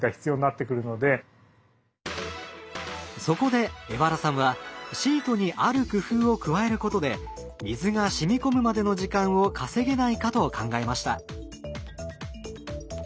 そこで荏原さんはシートにある工夫を加えることで水がしみこむまでの時間を稼げないかと考えました。